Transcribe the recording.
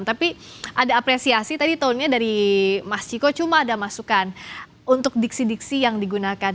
tapi ada apresiasi tadi tahunnya dari mas ciko cuma ada masukan untuk diksi diksi yang digunakan